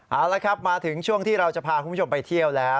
เอาละครับมาถึงช่วงที่เราจะพาคุณผู้ชมไปเที่ยวแล้ว